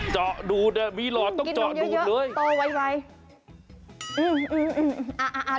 เจาะดูดมีหลอตต้องเจาะดูดเลย